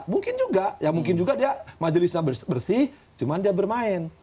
mungkin juga ya mungkin juga dia majelisnya bersih cuma dia bermain